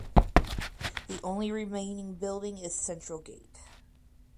The only remaining building is central gate.